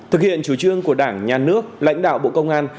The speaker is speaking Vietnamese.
thực hiện chủ trương của đảng nhà nước lãnh đạo bộ công an